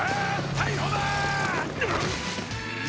逮捕だー！